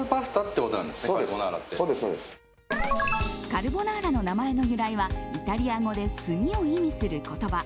カルボナーラの名前の由来はイタリア語で炭を意味する言葉